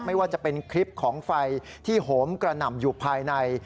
ไม่ว่าจะเป็นคลิปของไฟที่โหมกระหน่ำอยู่ภายใน